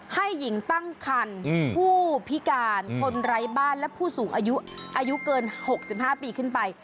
ให้หญิงตั้งคันผู้พิการคนไร้บ้านและผู้สูงอายุเกิน๖๕ปีขึ้นไป